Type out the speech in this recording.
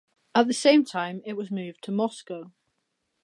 At the same time, it was moved to Moscow.